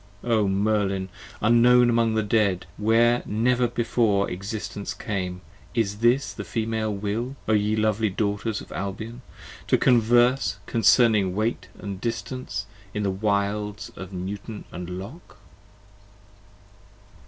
O Merlin! Unknown among the Dead where never before Existence came, Is this the Female Will O ye lovely Daughters of Albion, To 40 Converse concerning Weight & Distance in the Wilds of Newton & Locke?